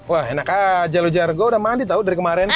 wah enak aja lo jar gue udah mandi tau dari kemarin